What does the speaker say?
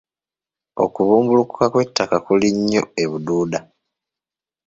Okubumbulukuka kw'ettaka kuli nnyo e Bududa.